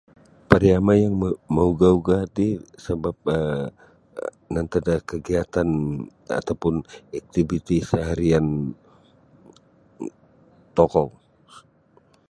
Pariama yang maugah-ugah ti sebap um nantad da kegiatan atau pun aktiviti seharian tokou.